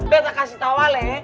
betta kasih tau ale